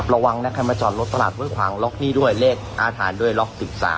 ระวังนะใครมาจอดรถตลาดห้วยขวางล็อกนี่ด้วยเลขอาถรรพ์ด้วยล็อก๑๓